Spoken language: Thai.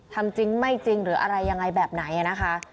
ทำจริงไม่จริงหรืออะไรยังไงแบบไหนนะคะ